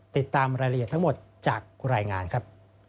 ติดตามรายละเอียดทั้งหมดจากรายงานครับ